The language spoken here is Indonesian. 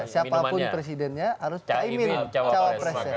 siapapun presidennya harus cahimin cawapres